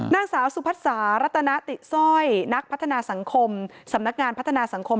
นางสาวสุพัสสารัตนติสร้อยนักพัฒนาสังคมสำนักงานพัฒนาสังคม